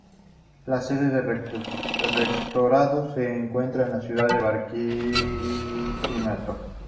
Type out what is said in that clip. La sede del Rectorado se encuentra en la ciudad de Barquisimeto.